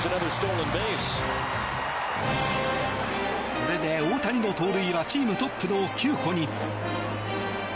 これで大谷の盗塁はチームトップの９個に。